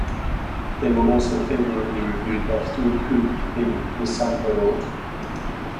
They were also favourably reviewed by Stuart Coupe in the "Sun Herald".